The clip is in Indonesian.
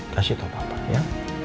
kasih tahu bapak ya